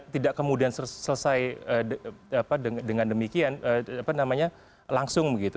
tidak kemudian selesai dengan demikian langsung begitu